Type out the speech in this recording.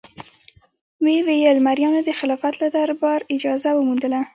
ویې ویل: مریانو د خلافت له دربار اجازه وموندله.